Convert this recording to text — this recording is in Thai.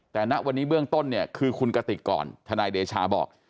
แต่ณวันนี้เบื้องต้นเนี่ยคือคุณกติกก่อนทนายเดชาบอก